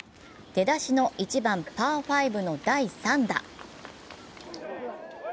出だしの１番・パー５の第３打。